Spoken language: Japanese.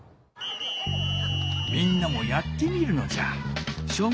みんなもやってみるのじゃ。